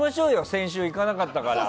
先週、行かなかったから。